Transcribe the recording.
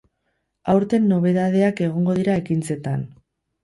Aurten nobedadeak egongo dira ekintzetan.